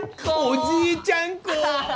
おじいちゃん子！